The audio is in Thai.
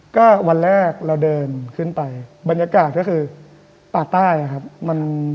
แค่กิโลกว่าคะอืมโอ